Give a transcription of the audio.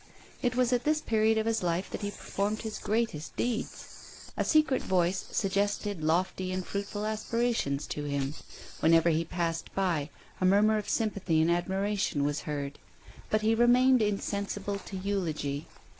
It was at this period of his life that he performed his greatest deeds. A secret voice suggested lofty and fruit ful aspirations to him. Whenever he passed by, a mur mur of sympathy and admiration was heard. But he remained insensible to eulogy.